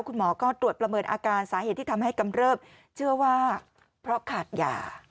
คุณหมอก็ตรวจประเมินอาการสาเหตุที่ทำให้กำเริบเชื่อว่าเพราะขาดยา